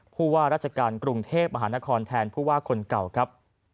ผู้ว่าราชการกรุงเทพมหานครแทนผู้ว่าคนเก่าครับ